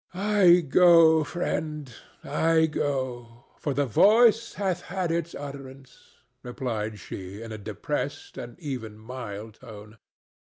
"I go, friend, I go, for the voice hath had its utterance," replied she, in a depressed, and even mild, tone.